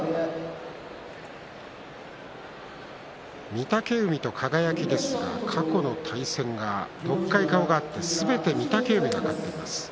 御嶽海と輝ですが過去の対戦６回、顔が合ってすべて御嶽海が勝っています。